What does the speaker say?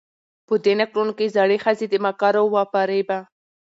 په دې نکلونو کې زړې ښځې د مکرو و فرېبه